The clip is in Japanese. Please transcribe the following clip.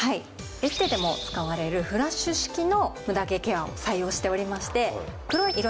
エステでも使われるフラッシュ式のムダ毛ケアを採用しておりまして。